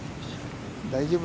大丈夫。